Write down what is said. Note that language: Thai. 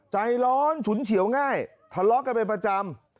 ใจร้อนฉุนเฉียวง่ายทะเลาะกันเป็นประจำ